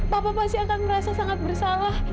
papa pasti akan merasa sangat bersalah